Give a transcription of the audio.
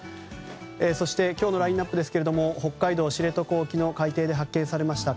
そして今日のラインアップですが北海道知床沖の海底で発見されました